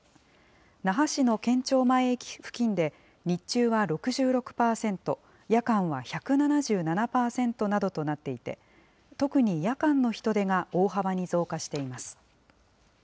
那覇市の県庁前駅付近で日中は６６％、夜間は１７７％などとなっていて、特に夜間の人出が大幅に増加しています。